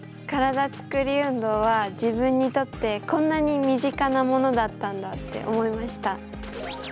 体つくり運動は自分にとってこんなに身近なものだったんだって思いました。